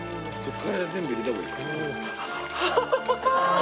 体全部入れた方がいい。